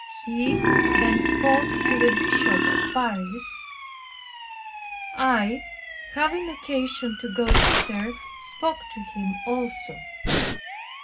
He then spoke to the Bishop at Paris. I, having occasion to go thither, spoke to him also.